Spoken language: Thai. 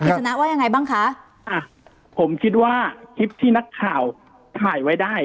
ชนะว่ายังไงบ้างคะอ่ะผมคิดว่าคลิปที่นักข่าวถ่ายไว้ได้